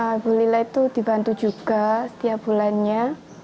terus sama mbak lila itu dibantu juga setiap bulannya